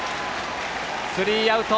スリーアウト。